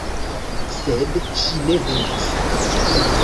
Sed ŝi ne venas.